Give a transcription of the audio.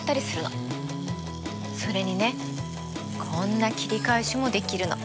それにねこんな切り返しもできるの。